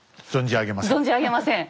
存じ上げません。